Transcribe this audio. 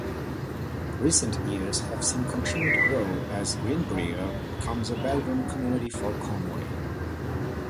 Recent years have seen continued growth as Greenbrier becomes a bedroom community for Conway.